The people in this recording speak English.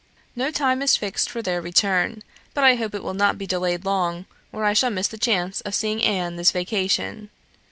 No time is fixed for their return, but I hope it will not be delayed long, or I shall miss the chance of seeing Anne this vacation.